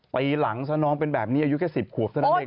ปีหลังซะน้องเป็นแบบนี้อายุแค่๑๐ขวบเท่านั้นเอง